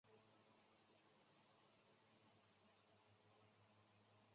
而其中文的语文基础是建基于他中文科小学老师的教导。